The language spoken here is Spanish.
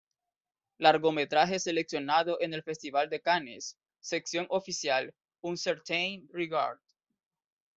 Largometraje Seleccionado en el Festival de Cannes: Sección oficial: Un Certain Regard".